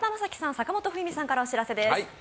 坂本冬美さんからお知らせです。